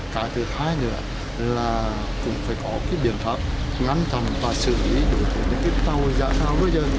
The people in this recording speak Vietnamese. cái thứ hai nữa là cũng phải có cái biện pháp ngắn thẳng và xử lý đối với những cái tàu giã cao bây giờ